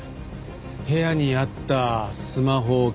部屋にあったスマホ警察手帳